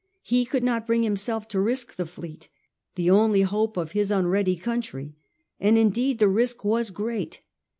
He could not bring himself to risk the fleet, — the only hope of his unready country; and indeed the risk was great.